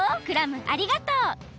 クラムありがとう！